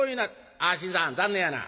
あ信さん残念やな。